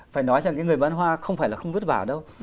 phải nói rằng cái người bán hoa không phải là không vứt bảo đâu